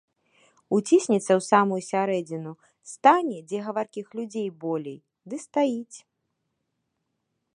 Уціснецца ў самую сярэдзіну, стане, дзе гаваркіх людзей болей, ды стаіць.